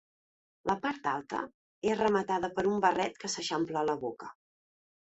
La part alta és rematada per un barret que s'eixampla a la boca.